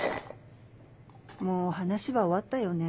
もう話は終わったよね。